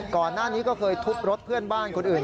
ก่อนหน้านี้ก็เคยทุบรถเพื่อนบ้านคนอื่น